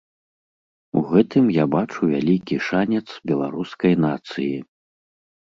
У гэтым я бачу вялікі шанец беларускай нацыі.